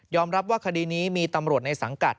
รับว่าคดีนี้มีตำรวจในสังกัด